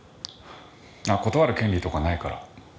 あっ断る権利とかないから。